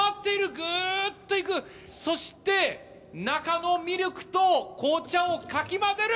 ぐっといくそして中のミルクと紅茶をかき混ぜる。